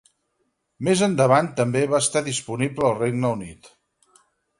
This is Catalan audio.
Més endavant també va estar disponible al Regne Unit.